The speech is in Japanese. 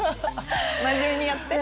真面目にやって。